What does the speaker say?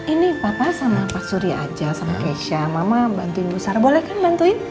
ini papa sama pak surya aja sama keisha mama bantuin bu sar boleh kan bantuin